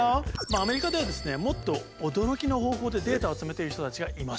アメリカではですねもっと驚きの方法でデータを集めている人たちがいます。